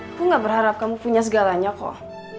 aku gak berharap kamu punya segalanya kok